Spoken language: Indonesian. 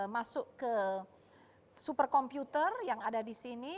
masuk ke super komputer yang ada di sini